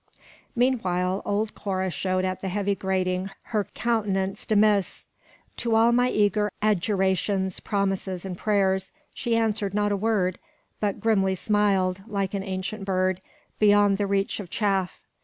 Meanwhile old Cora showed at the heavy grating her countenance demiss; to all my eager adjurations, promises, and prayers, she answered not a word, but grimly smiled, like an ancient bird, beyond the reach of chaff.